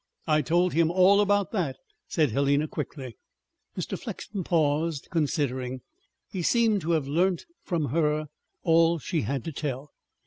I told him all about that," said Helena quickly. Mr. Flexen paused, considering. He seemed to have learnt from her all she had to tell.